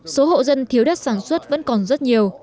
số hộ dân thiếu đất sản xuất vẫn còn rất nhiều